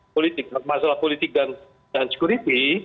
politik masalah politik dan security